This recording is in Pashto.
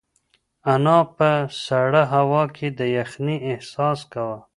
انا په سړه هوا کې د یخنۍ احساس کاوه.